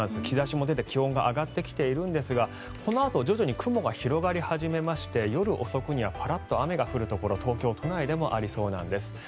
日差しも出て気温も上がってきているんですがこのあと徐々に雲が広がり始めまして夜遅くにはパラッと雨が降るところ東京都内でもありそうなんです。